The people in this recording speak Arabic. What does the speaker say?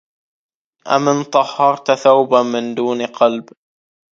لئن طهرت ثوبا دون قلب